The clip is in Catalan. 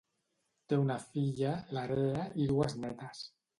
Té una filla, l'Area, i dues netes.